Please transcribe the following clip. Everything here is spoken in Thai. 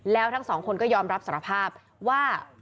แล้วทั้งสองคนก็ยอมรับสารภาพว่า